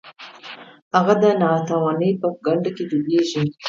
هغه د ناتوانۍ په کنده کې ډوبیږي.